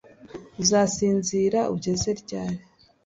Uzasinzira ugeze ryari